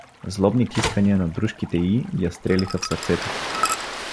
Злобни кискания на дружките й я стрелиха в сърцето.